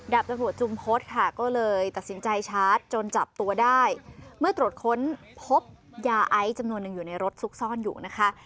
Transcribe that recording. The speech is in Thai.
ตำรวจจุมพฤษค่ะก็เลยตัดสินใจชาร์จจนจับตัวได้เมื่อตรวจค้นพบยาไอซ์จำนวนหนึ่งอยู่ในรถซุกซ่อนอยู่นะคะ